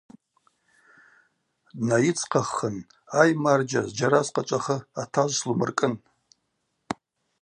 Днайыдзхъаххын – Ай марджьа, зджьара скъачӏвахы, атажв слумыркӏын.